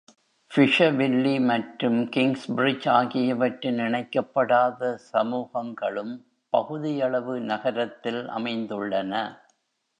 ஃபிஷர்வில்லி மற்றும் கிங்ஸ்பிரிட்ஜ் ஆகியவற்றின் இணைக்கப்படாத சமூகங்களும் பகுதியளவு நகரத்தில் அமைந்துள்ளன.